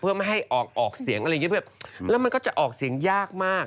เพื่อไม่ให้ออกออกเสียงอะไรอย่างนี้แบบแล้วมันก็จะออกเสียงยากมาก